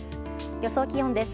予想気温です。